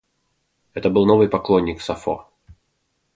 Это был новый поклонник Сафо.